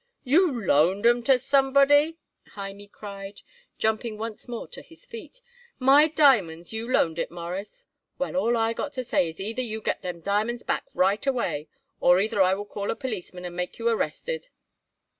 "You loaned 'em to somebody!" Hymie cried, jumping once more to his feet. "My diamonds you loaned it, Mawruss? Well, all I got to say is either you get them diamonds back right away, or either I will call a policeman and make you arrested."